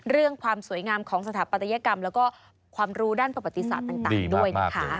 ความสวยงามของสถาปัตยกรรมแล้วก็ความรู้ด้านประวัติศาสตร์ต่างด้วยนะคะ